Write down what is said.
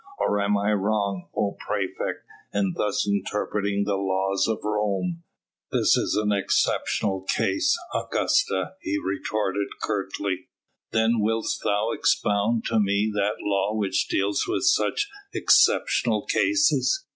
Or am I wrong, O praefect, in thus interpreting the laws of Rome?" "This is an exceptional case, Augusta," he retorted curtly. "Then wilt thou expound to me that law which deals with such exceptional cases?"